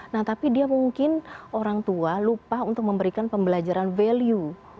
nah tapi dia mungkin orang tua lupa untuk memberikan pembelajaran value